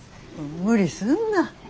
無理すんな。